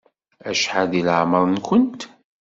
Acḥal di lɛemeṛ-nkent?